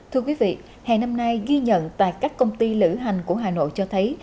hè năm nay ghi nhận tại các công ty lữ hành của hà nội cho thấy